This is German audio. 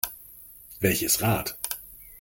Welches Rad?